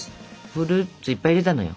フルーツいっぱい入れたのよ。